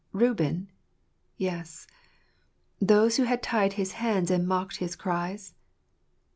Reuben? Yes. Those who had tied his hands and mocked his cries?